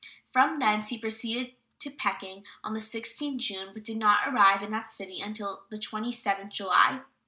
From thence he proceeded to Peking on the 16th June, but did not arrive in that city until the 27th July.